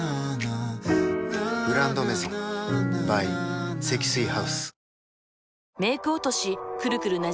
「グランドメゾン」ｂｙ 積水ハウス